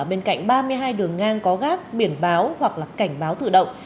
bên cạnh ba mươi hai đường ngang có gác biển báo hoặc cảnh báo thự động